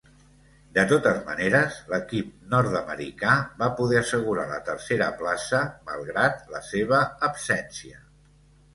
De totes maneres, l'equip nord-americà va poder assegurar la tercera plaça malgrat la seva absència.